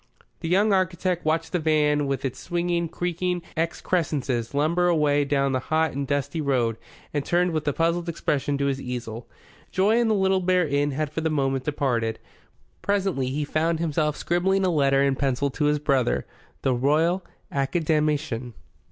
The young architect watched the van with its swinging, creaking excrescences lumber away down the hot and dusty road, and turned with a puzzled expression to his easel. Joy in the Little Bear Inn had for the moment departed. Presently he found himself scribbling a letter in pencil to his brother, the Royal Academician.